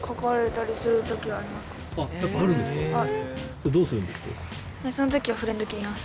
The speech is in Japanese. それどうするんですか？